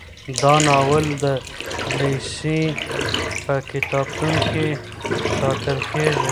دا ناول د لېسې په کتابتون کي ساتل کیږي.